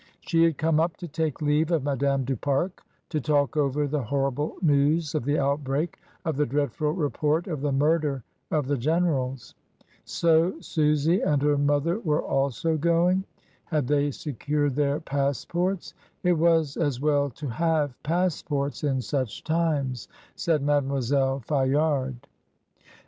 She had come up to take leave of Madame du Pare, to talk over the horrible news of the outbreak, of the dreadful report of the murder of the generals. "So Susy and her mother were also going? Had they secured their passports? It was as well to have passports in such times," said Mademoiselle Fayard.